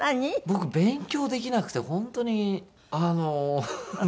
僕勉強できなくて本当にあの。